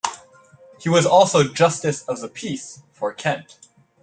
He was also Justice of the Peace for Kent.